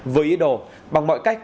với ý đồ bằng mọi cách